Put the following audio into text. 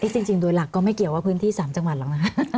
จริงโดยหลักก็ไม่เกี่ยวว่าพื้นที่๓จังหวัดหรอกนะ